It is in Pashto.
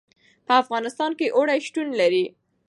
په افغانستان کې اوړي شتون لري.